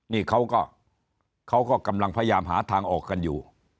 นี่เขาก็เขาก็กำลังพยายามหาทางออกกันอยู่